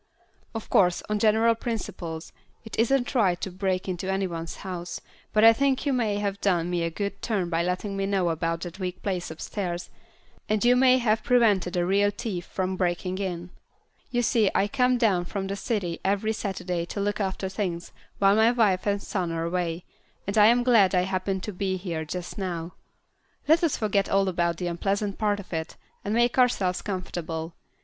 Of course, on general principles, it isn't right to break into any one's house, but I think you may have done me a good turn by letting me know about that weak place upstairs, and you may have prevented a real thief from breaking in. You see, I come down from the city every Saturday to look after things while my wife and son are away, and I am glad I happened to be here just now. Let us forget all about the unpleasant part of this, and make ourselves comfortable.